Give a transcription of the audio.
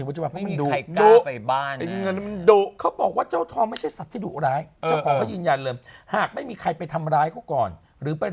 แต่เราจะอยู่ถึงขนาดนั้นหรอ